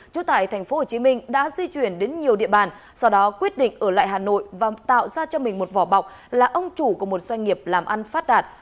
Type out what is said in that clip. trú tại thành phố hồ chí minh đã di chuyển đến nhiều địa bàn sau đó quyết định ở lại hà nội và tạo ra cho mình một vỏ bọc là ông chủ của một doanh nghiệp làm ăn phát đạt